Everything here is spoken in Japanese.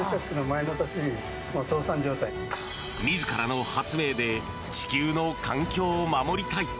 自らの発明で地球の環境を守りたい。